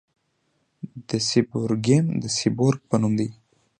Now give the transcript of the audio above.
د سیبورګیم د سیبورګ په نوم دی.